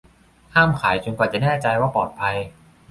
ห้ามขายจนกว่าจะแน่ใจว่าปลอดภัย